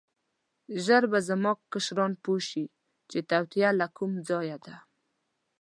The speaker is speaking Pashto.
ژر به زما کشران پوه شي چې توطیه له کوم ځایه ده.